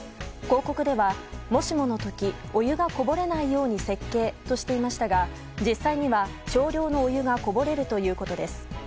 広告では、もしものとき、お湯がこぼれないように設計としていましたが、実際には少量のお湯がこぼれるということです。